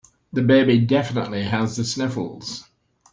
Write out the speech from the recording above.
The baby definitely has the sniffles.